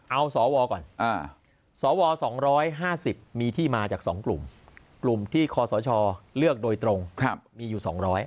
เอาสวก่อนสว๒๕๐มีที่มาจาก๒กลุ่มกลุ่มที่คศเลือกโดยตรงมีอยู่๒๐๐